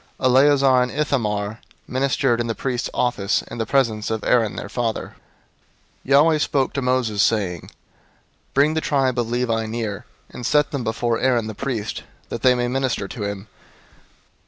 Eleazar and Ithamar ministered in the priest's office in the presence of Aaron their father. 003:005 Yahweh spoke to Moses, saying, 003:006 "Bring the tribe of Levi near, and set them before Aaron the priest, that they may minister to him.